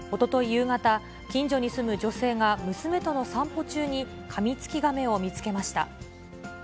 夕方、近所に住む女性が、娘との散歩中にカミツキガメを見つけました。